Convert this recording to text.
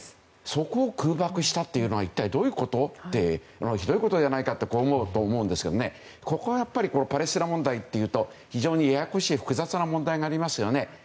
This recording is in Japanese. そこを空爆したというのはどういうこととひどいことじゃないかと思うんじゃないかと思いますがパレスチナ問題というと非常にややこしい複雑な問題がありますよね。